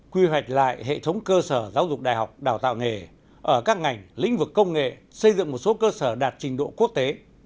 quy hoạch lại hệ thống cơ sở giáo dục đại học đào tạo nghề ở các ngành lĩnh vực công nghệ xây dựng một số cơ sở đạt trình độ quốc tế